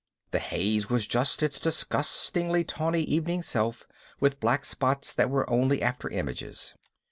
The haze was just its disgustingly tawny evening self with black spots that were only after images.